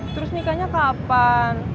terus nikahnya kapan